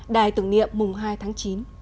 đài tưởng niệm mùng hai tháng chín